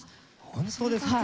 本当ですか？